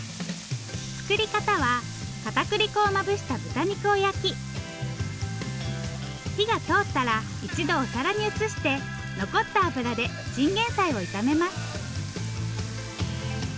作り方は片栗粉をまぶした豚肉を焼き火が通ったら一度お皿に移して残った油でチンゲンサイを炒めます。